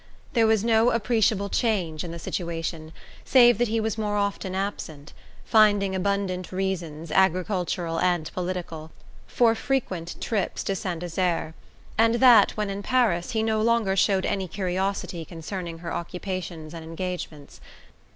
There was no appreciable change in the situation save that he was more often absent finding abundant reasons, agricultural and political, for frequent trips to Saint Desert and that, when in Paris, he no longer showed any curiosity concerning her occupations and engagements.